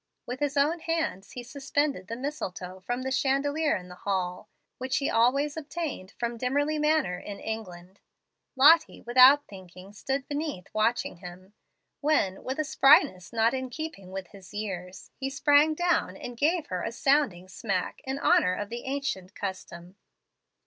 With his own hands he suspended the mistletoe from the chandelier in the hall, which he always obtained from Dimmerly Manor in England. Lottie, without thinking, stood beneath, watching him, when, with a spryness not in keeping with his years, he sprang down and gave her a sounding smack in honor of the ancient custom.